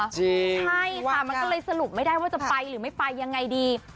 ใช่ค่ะมันก็เลยสรุปไม่ได้ว่าจะไปหรือไม่ไปยังไงดี